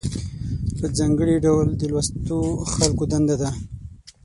په ځانګړي ډول د لوستو خلکو دنده ده.